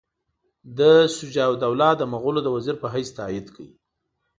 ده شجاع الدوله د مغولو د وزیر په حیث تایید کړ.